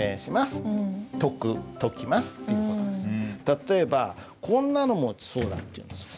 例えばこんなのもそうだっていうんですよ。